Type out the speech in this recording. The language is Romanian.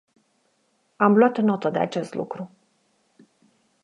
Am luat notă de acest lucru.